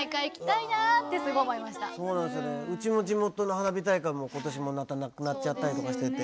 うちの地元の花火大会も今年もまたなくなっちゃったりとかしてて。